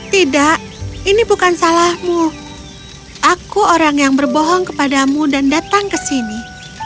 tidak ini bukan salahmu aku orang yang berbohong kepadamu dan datang ke sini